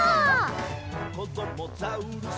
「こどもザウルス